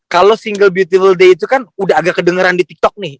kalau single beautiful day itu kan udah agak kedengeran di tiktok nih